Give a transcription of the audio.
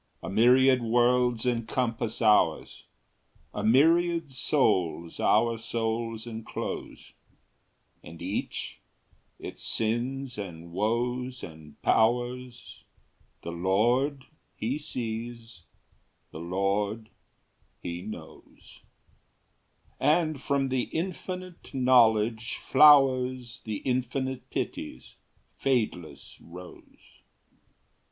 A myriad worlds encompass ours; A myriad souls our souls enclose; And each, its sins and woes and powers, The Lord He sees, the Lord He knows, And from the Infinite Knowledge flowers The Infinite Pity's fadeless rose.